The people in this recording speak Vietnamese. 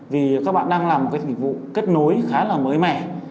vì các bạn đang làm một cái dịch vụ kết nối khá là mới mẻ